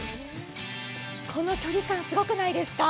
この距離感、すごくないですか？